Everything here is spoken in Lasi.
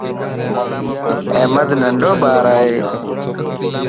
احمد ننڊو ٻار ائي